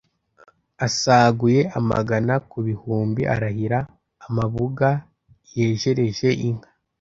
Asaguye amagana ku bihumbiArahira amabuga yejereje inka